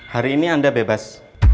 hari ini anda bebas